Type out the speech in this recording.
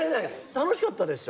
楽しかったでしょ。